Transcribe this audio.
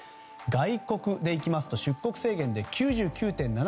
外国でいきますと出国制限で９９．７％減。